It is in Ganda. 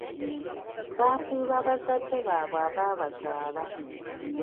Baafiirwa bazadde baabwe abaabaazaala.